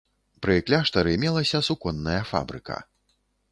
Пры кляштары мелася суконная фабрыка.